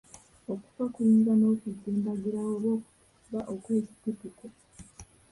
Okufa kuyinza n'okujja embagirawo oba okuba okw'ekikutuko